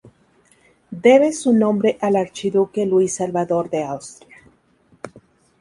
Debe su nombre al Archiduque Luis Salvador de Austria.